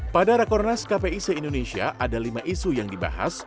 pada rekornas kpi se indonesia ada lima isu yang dibahas